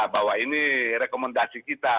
bahwa ini rekomendasi kita